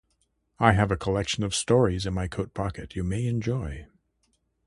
I have a collection of stories in my coat pocket you may enjoy.